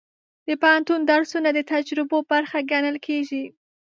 د پوهنتون درسونه د تجربو برخه ګڼل کېږي.